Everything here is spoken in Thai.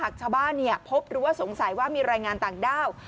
ชาวบ้านพบหรือว่าสงสัยว่ามีรายงานต่างด้าว